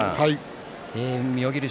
妙義龍